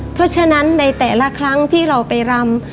เพราะฉะนั้นในแต่ละครั้งที่เราไปรำ